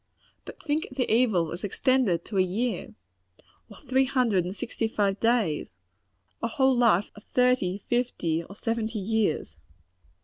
But think of the evil as extended to a year, or three hundred and sixty five days! or to a whole life of thirty, fifty or seventy years!